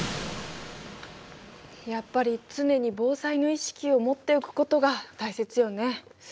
やっぱり常に防災の意識を持っておくことが大切よね。